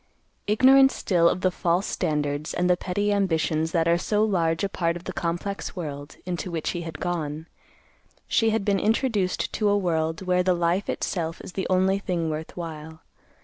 Ignorant still of the false standards and the petty ambitions that are so large a part of the complex world, into which he had gone, she had been introduced to a world where the life itself is the only thing worth while.